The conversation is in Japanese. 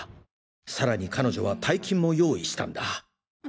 さらに彼女は大金も用意したんだ。